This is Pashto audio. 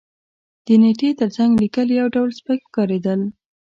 د نېټې تر څنګ لېکل یو ډول سپک ښکارېدل.